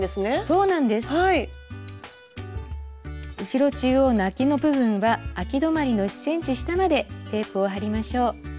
後ろ中央のあきの部分はあき止まりの１ｃｍ下までテープを貼りましょう。